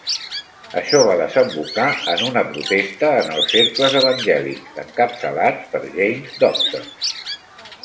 Això va desembocar en una protesta en els cercles evangèlics, encapçalats per James Dobson.